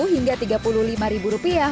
sepuluh hingga tiga puluh lima rupiah